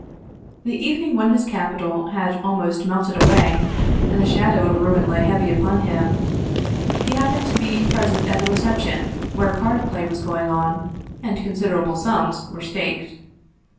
The evening when his capital had almost melted away and the shadow of ruin lay heavy upon him, he happened to be present at a reception where card play was going on and considerable sums were staked.